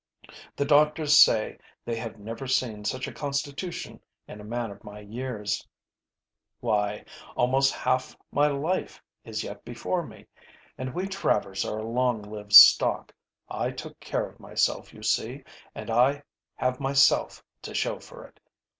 The doctors say they have never seen such a constitution in a man of my years. Why, almost half my life is yet before me, and we Travers are a long lived stock. I took care of myself, you see, and I have myself to show for it.